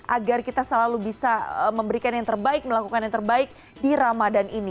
agar kita selalu bisa memberikan yang terbaik melakukan yang terbaik di ramadan ini